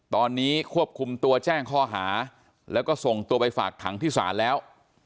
ตอนนี้ควบคุมตัวแจ้งข้อหาแล้วก็ส่งตัวไปฝากขังที่ศาลแล้ว